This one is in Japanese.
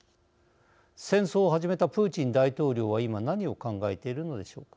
戦争を始めたプーチン大統領は今何を考えているのでしょう。